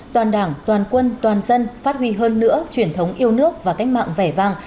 toàn đảng toàn quân toàn dân phát huy hơn nữa truyền thống yêu nước và cách mạng vẻ vang